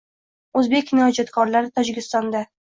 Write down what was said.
O‘zbek kinoijodkorlari Tojikistonda